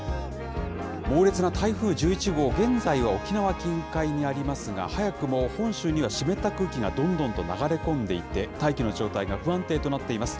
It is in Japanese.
猛烈な台風１１号、現在は沖縄近海にありますが、早くも本州には湿った空気がどんどんと流れ込んでいて、大気の状態が不安定となっています。